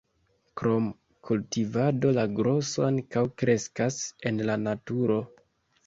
Krom kultivado la groso ankaŭ kreskas en la naturo.